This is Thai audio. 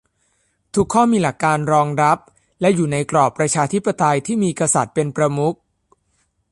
ทุกข้อมีหลักการรองรับและอยู่ในกรอบประชาธิปไตยที่มีกษัตริย์เป็นประมุข